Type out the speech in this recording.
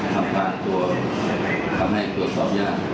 ทำทางทันตัวทำให้ตัวสอบยาก